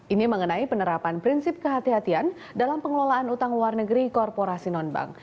ini mengenai penerapan prinsip kehatian dalam pengelolaan utang luar negeri korporasi non bank